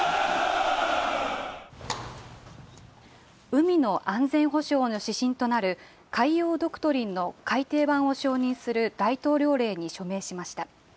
海の安全保障の指針となる海洋ドクトリンの改訂版を承認する大統領令に署名しました。